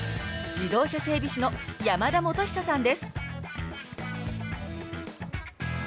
自動車整備士の山田基久さんです。